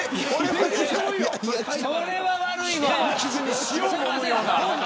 これは悪いわ。